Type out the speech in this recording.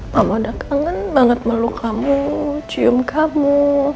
mama udah kangen banget meluk kamu cium kamu